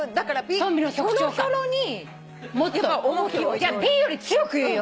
じゃあピーより強く言うよ。